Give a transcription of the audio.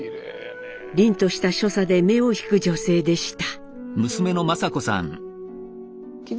凛とした所作で目を引く女性でした。